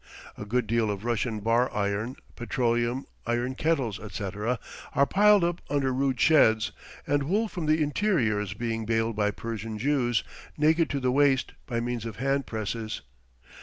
A good deal of Russian bar iron, petroleum, iron kettles, etc., are piled up under rude sheds; and wool from the interior is being baled by Persian Jews, naked to the waist, by means of hand presses.